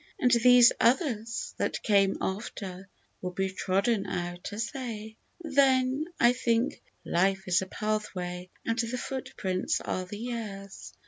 And these others, that came after, will be trodden out as they. Then I think *' Life is a pathway, and the footprints are the years.